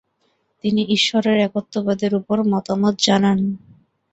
তিনি ঈশ্বরের একত্ববাদের উপর মতামত জানান।